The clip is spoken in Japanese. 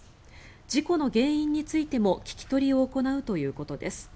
事故の原因についても聞き取りを行うということです。